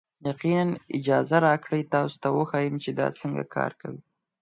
یقینا، اجازه راکړئ تاسو ته وښیم چې دا څنګه کار کوي.